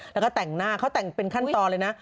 แล้วก็แต่งหน้าเขาแต่งเป็นขั้นตอนเลยนะ